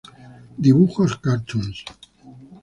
Dibujos Cartoons".